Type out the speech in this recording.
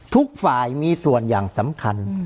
ทุกฝ่ายมีส่วนอย่างสำคัญ